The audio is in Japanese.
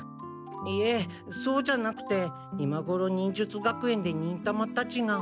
いえそうじゃなくて今ごろ忍術学園で忍たまたちが。